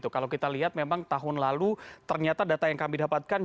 kalau kita lihat memang tahun lalu ternyata data yang kami dapatkan